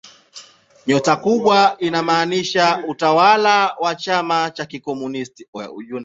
Nyota kubwa inamaanisha utawala wa chama cha kikomunisti.